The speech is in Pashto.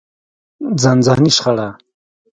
ځانځاني شخړه.